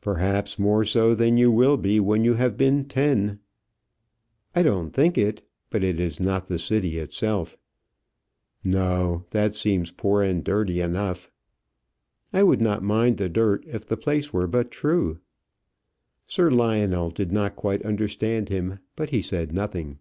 "Perhaps more so than you will be when you have been ten." "I don't think it. But it is not the city itself." "No; that seems poor and dirty enough." "I would not mind the dirt if the place were but true." Sir Lionel did not quite understand him, but he said nothing.